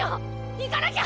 行かなきゃ！